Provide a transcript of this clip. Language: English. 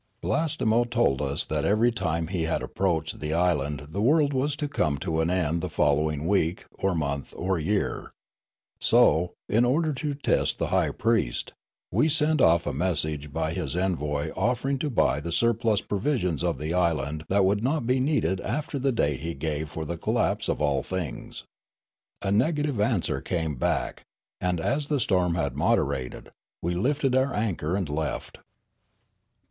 " Blastemo told us that every time he had approached the island the world was to come to an end the follow ing week or month or jxar ; so, in order to test the high priest, we sent off a message by his envoy offering to buy the surplus provisions of the island that would not be needed after the date he gave for the collapse of all things. A negative answer came back; and, as the storm had moderated, we lifted our anchor and left."